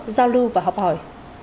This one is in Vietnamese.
giao lưu và học hỏi